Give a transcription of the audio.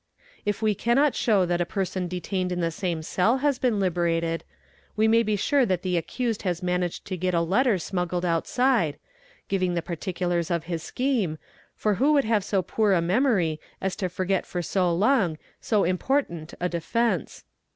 If we cannot show that a person detained in the same cell has been liberated, we may be sure that the accused has managed to get a letter smuggled outside, giving the particulars of his scheme, for who would 29 PAV ATOLL Heme I have so poor a memory as to forget for so long so important a defence.